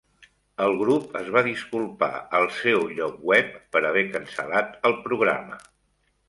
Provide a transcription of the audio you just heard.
El grup es va disculpar al seu lloc web per haver cancel·lat el programa.